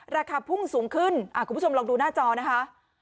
ราคาพุ่งสูงขึ้นคุณผู้ชมลองดูหน้าจอนะคะ